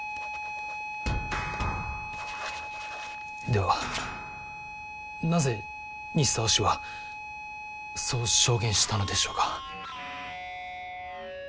ではなぜ西澤氏はそう証言したのでしょうか？